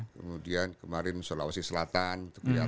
kemudian kemarin sulawesi selatan